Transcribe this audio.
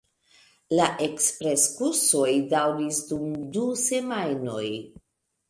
La ekspres-kursoj daŭris dum du semajnoj.